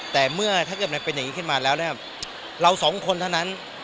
แต่เมื่อถ้าเกิดมันเป็นอย่างนี้ขึ้นมาแล้วเนี่ยเราสองคนเท่านั้น